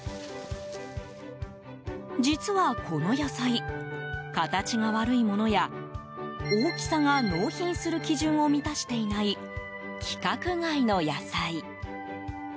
実はこの野菜、形が悪いものや大きさが納品する基準を満たしていない規格外の野菜。